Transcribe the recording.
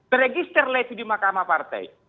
terregister lagi di mahkamah partai